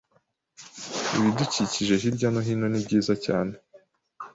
Ibidukikije hirya no hino ni byiza cyane.